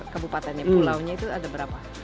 kabupatennya pulaunya itu ada berapa